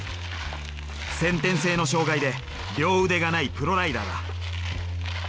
先天性の障害で両腕がないプロライダーだ。